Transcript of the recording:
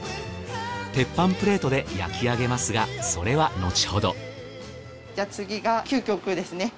鉄板プレートで焼き上げますがそれは後ほどじゃあ次が究極ですね。